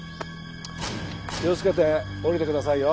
気をつけて下りてくださいよ。